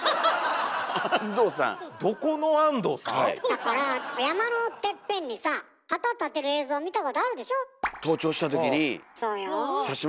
だから山のてっぺんにさ旗立てる映像見たことあるでしょ？